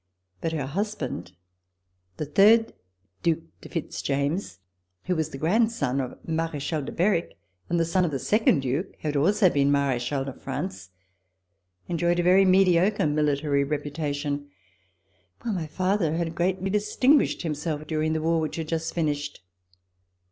But her husband, the third Due de Fitz James, who was the grandson of Marechal de Berwick, and the son of the second Due, who had also been Marechal de France, enjoyed a very mediocre military reputation, while my father had greatly distinguished himself during the war which had just finished.